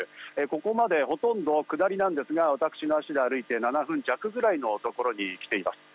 ここまでほとんど下りなんですが、私の足で歩いて７分弱のところに来ています。